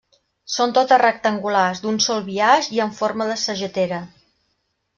Són totes rectangulars, d'un sol biaix i amb forma de sagetera.